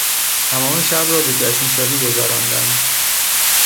تمام شب را به جشن و شادی گذراندند.